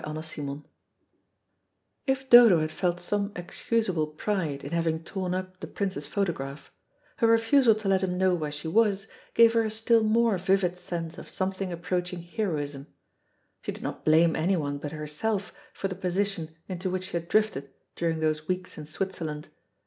CHAPTER TWENTY If Dodo had felt some excusable pride in having torn up the Prince's photograph, her refusal to let him know where she was gave her a still more vivid sense of something approaching heroism. She did not blame anyone but herself for the position into which she had drifted during those weeks in Switzerland.